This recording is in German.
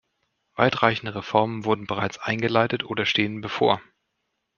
Weitreichende Reformen wurden bereits eingeleitet oder stehen bevor.